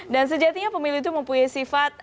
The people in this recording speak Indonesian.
dan sejatinya pemilih itu mempunyai sifat